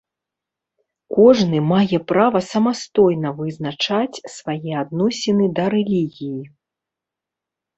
Кожны мае права самастойна вызначаць свае адносіны да рэлігіі.